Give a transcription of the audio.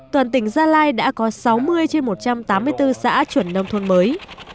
toàn tỉnh gia lai đã có sáu mươi trên một trăm tám mươi bốn xã chuẩn nông thôn mới